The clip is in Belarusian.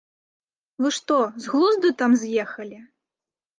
Вы што, з глузду там з'ехалі?